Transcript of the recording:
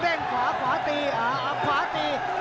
เด้งขวาขวาตีเอาขวาตี